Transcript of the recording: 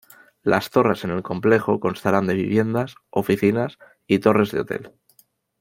Las torres en el complejo constará de viviendas, oficinas y torres de hotel.